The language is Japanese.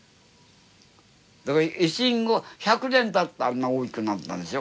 だから維新後１００年たってあんな大きくなったんでしょ。